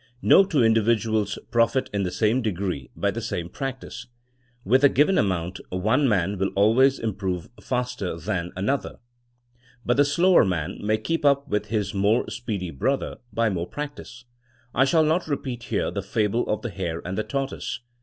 No two individuals profit in the same degree by the same practice. With a given amount one man will always improve faster than another. 246 THINKINa AS A SCIENCE But the slower man may keep up with his more speedy brother by more practice. I shall not repeat here the fable of the hare and the tor toise.